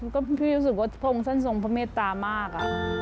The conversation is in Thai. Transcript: ก็รู้สึกว่าพวกท่านทรงพระเมตตามาก